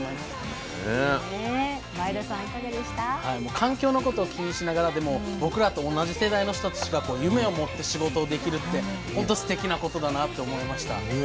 環境のことを気にしながらでも僕らと同じ世代の人たちがこう夢を持って仕事をできるってほんとすてきなことだなと思いました。